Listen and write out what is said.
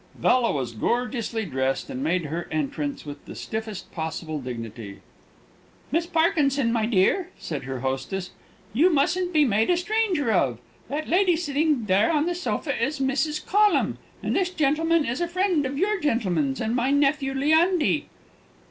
Bella was gorgeously dressed, and made her entrance with the stiffest possible dignity. "Miss Parkinson, my dear," said her hostess, "you mustn't be made a stranger of. That lady sitting there on the sofa is Mrs. Collum, and this gentleman is a friend of your gentleman's, and my nephew, Leandy."